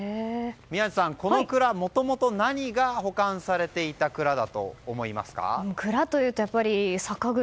宮司さん、この蔵もともと何が保管されていた蔵というとやっぱり酒蔵？